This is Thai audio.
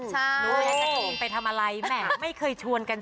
ใช่นึกว่านางนมไปทำอะไรไหมไม่เคยชวนกันสิ